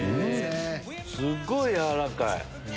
すっごいやわらかい。